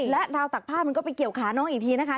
และราวตักผ้ามันก็ไปเกี่ยวขาน้องอีกทีนะคะ